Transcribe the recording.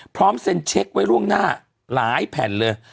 พร้อมเซ็นเช็คไว้ล่วงหน้าหลายแผ่นเลย